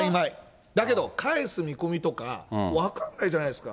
だけど返す見込みとか分かんないじゃないですか。